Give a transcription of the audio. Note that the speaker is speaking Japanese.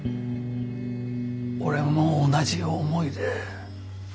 俺も同じ思いで。